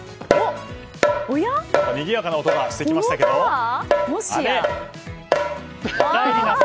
にぎやかな音がしてきました。